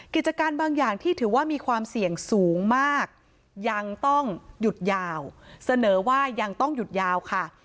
กิจการบางอย่างที่ถือว่ามีความเสี่ยงสูงมากยังต้องหยุดยาวเสนอว่ายังต้องหยุดยาวค่ะ